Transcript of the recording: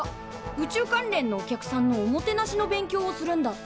宇宙関連のお客さんのおもてなしの勉強をするんだって。